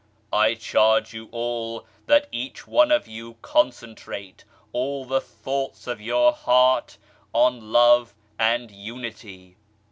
I charge you all that each one of you concentrate all the thoughts of your heart on Love and Unity.